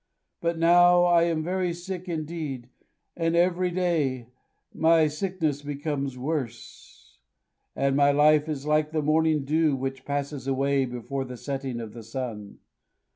But now I am very sick indeed, and every day my sickness becomes worse; and my life is like the morning dew which passes away before the setting of the sun.